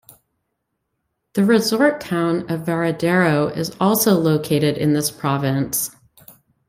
The resort town of Varadero is also located in this province.